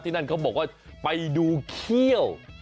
นั่นเขาบอกว่าไปดูเขี้ยว